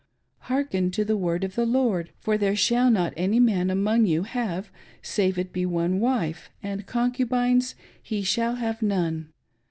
...... Hearken to the Word of the Lord : for there shall not any man among you have, save it be one wife ; and concubines he shall have none."